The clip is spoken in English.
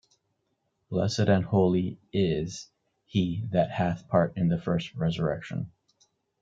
Blessed and holy "is" he that hath part in the first resurrection.